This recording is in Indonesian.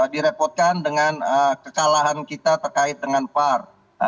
direpotkan dengan kekalahan kita terkait dengan var